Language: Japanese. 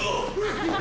ハハハ！